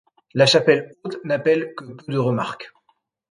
La chapelle haute n'appelle que peu de remarques.